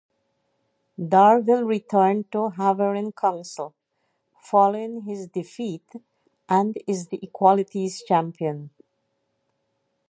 Darvill returned to Havering Council following his defeat and is the Equalities Champion.